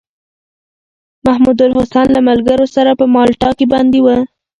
محمودالحسن له ملګرو سره په مالټا کې بندي و.